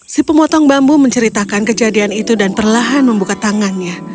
si pemotong bambu menceritakan kejadian itu dan perlahan membuka tangannya